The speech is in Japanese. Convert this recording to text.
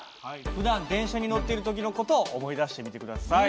ふだん電車に乗っている時の事を思い出してみて下さい。